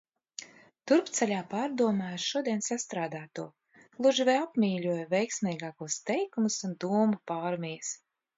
Turpceļā pārdomāju šodien sastrādāto, gluži vai apmīļoju veiksmīgākos teikumus un domu pārmijas.